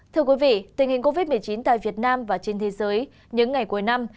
tình hình covid một mươi chín tại việt nam và trên thế giới những ngày cuối năm